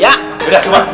pak keluar dulu ya